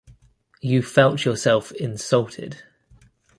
You felt yourself insulted.